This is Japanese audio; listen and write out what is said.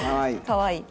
かわいい。